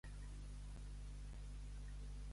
Quin altre fill tenia Tros?